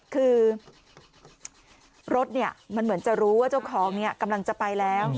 คือรถมันเหมือนจะรู้ว่าเจ้าของกำลังจะไปแล้ว